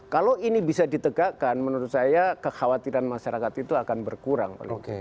kalau ini bisa ditegakkan menurut saya kekhawatiran masyarakat itu akan berkurang